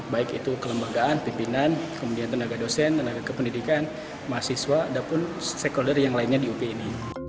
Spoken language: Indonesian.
baik itu kelembagaan pimpinan kemudian tenaga dosen tenaga kependidikan mahasiswa dan stakeholder yang lainnya di up ini